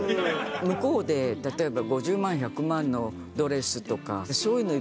向こうで例えば。